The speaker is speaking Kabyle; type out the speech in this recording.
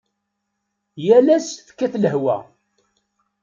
Yal ass tekkat lehwa.